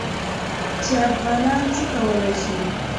چې افغانان څه کولی شي.